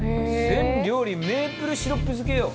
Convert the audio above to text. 全料理メープルシロップ漬けよ。